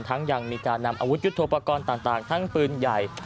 ยังมีการนำอาวุธยุทธโปรกรณ์ต่างทั้งปืนใหญ่